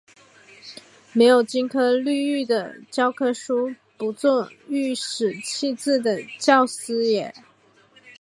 没有金科绿玉的教科书，不做颐使气指的教师爷